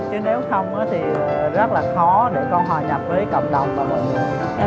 chứ nếu không thì rất là khó để con hòa nhập với cộng đồng và mọi người